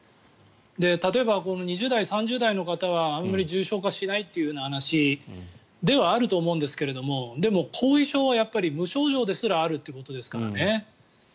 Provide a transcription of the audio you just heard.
例えば２０代、３０代の方はあまり重症化しないという話ではあると思うんですがでも後遺症は無症状ですらあるということですからね。